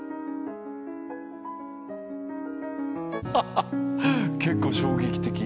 ハハッ結構衝撃的。